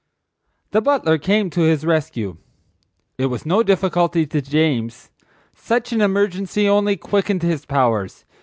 The butler came to his rescue. It was no difficulty to James. Such an emergency only quickened his powers.